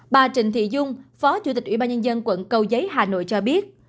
bà trịnh thị dung phó chủ tịch ủy ban nhân dân quận cầu giấy hà nội cho biết